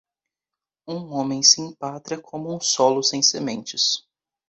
Um homem sem pátria é como um solo sem sementes.